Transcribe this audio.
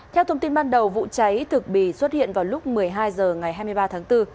theo thông tin ban đầu vụ cháy thực bì xuất hiện vào lúc một mươi hai h ngày hai mươi ba tháng bốn